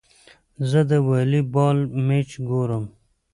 زه د والي بال مېچ ګورم.